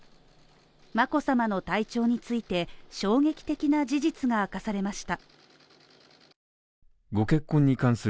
眞子さまの体調について衝撃的な事実が明かされました。